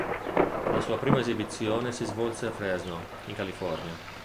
La sua prima esibizione si svolse a Fresno, in California.